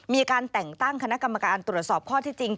มีการแต่งตั้งคณะกรรมการตรวจสอบข้อที่จริง